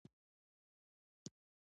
زما د طیارې ټیکټ وسوځل شو.